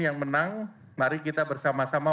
yang menang mari kita bersama sama